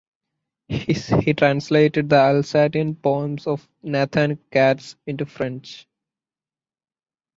He translated the Alsatian poems of Nathan Katz into French.